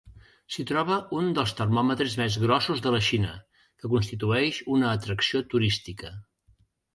S’hi troba un dels termòmetres més grossos de la Xina, que constitueix una atracció turística.